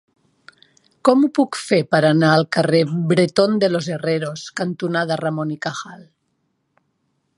Com ho puc fer per anar al carrer Bretón de los Herreros cantonada Ramón y Cajal?